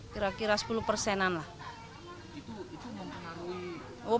kira kira sepuluh persenan lah